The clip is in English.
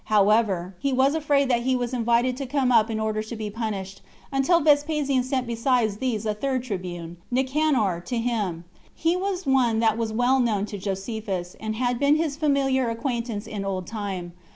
However, he was afraid that he was invited to come up in order to be punished, until Vespasian sent besides these a third tribune, Nicanor, to him; he was one that was well known to Josephus, and had been his familiar acquaintance in old time.